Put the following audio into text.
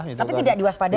tapi tidak diwaspadai